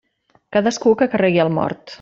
Cadascú que carregui el mort.